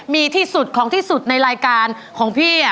มีที่สุดของที่สุดในรายการของพี่